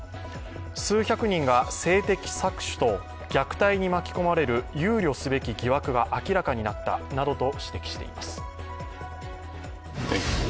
数百人が性的搾取と虐待に巻き込まれる憂慮すべき疑惑が明らかになったなどと指摘しています。